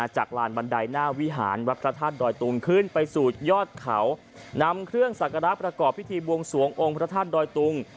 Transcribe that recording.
จากลานบันไดหน้าวิหารวัดพระธาตุดอยตุงขึ้นไปสู่ยอดเขานำเครื่องสักการะประกอบพิธีบวงสวงองค์พระธาตุดอยตุง